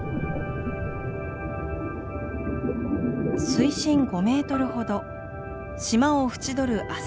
水深５メートルほど島を縁取る浅瀬に出ました。